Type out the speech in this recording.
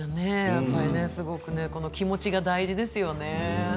やっぱりこの気持ちが大事ですよね。